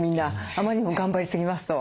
あまりにも頑張りすぎますと。